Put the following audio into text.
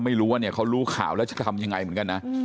ไม่รู้ว่าเนี่ยเขารู้ข่าวแล้วจะทำยังไงเหมือนกันนะ